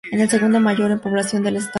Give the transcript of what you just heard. Es el segundo mayor en población del estado.